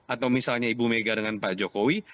atau misalnya ibu mega dengan pak jokowi